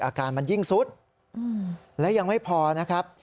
อาการมันยิ่งสุดและยังไม่พอนะครับ